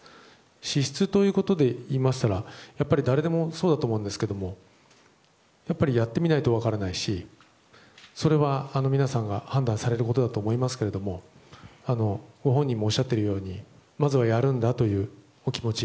資質ということでいいましたら誰でもそうだと思うんですがやっぱりやってみないと分からないしそれは皆さんが判断されることだと思いますけどご本人もおっしゃっているようにまずはやるんだというお気持ち。